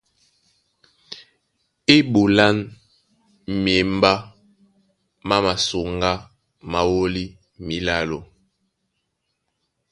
E ɓ!!ân myembá má masoŋgá má wólí mílálo.